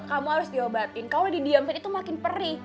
kamu harus diobatin kalau didiamkan itu makin perih